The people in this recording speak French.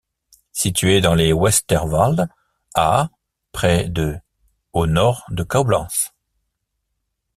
Située dans les Westerwald à près de au nord de Coblence.